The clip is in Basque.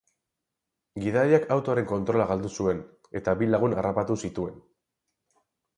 Gidariak autoaren kontrola galdu zuen eta bi lagun harrapatu zituen.